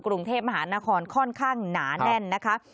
กรุงเทพมหานครค่อนข้างหนาแน่นนะคะ